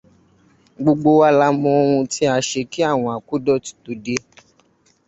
Gbogbo wa la mọ oun tí a ṣe kí àwọn akódọ̀tí tó dé